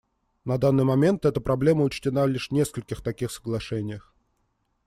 На данный момент эта проблема учтена лишь в нескольких таких соглашениях.